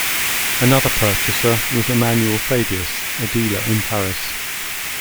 Another purchaser was Emmanuel Fabius, a dealer in Paris.